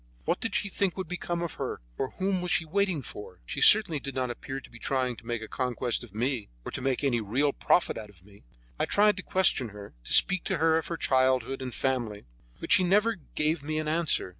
What did she think would become of her, or whom was she waiting for? She certainly did not appear to be trying to make a conquest of me, or to make any real profit out of me. I tried to question her, to speak to her of her childhood and family; but she never gave me an answer.